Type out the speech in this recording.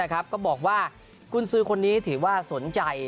ก็บอกว่ากุญสือคนนี้ถือว่าสนใจ